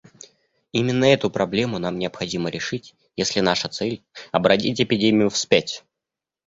Именно эту проблему нам необходимо решить, если наша цель — обратить эпидемию вспять.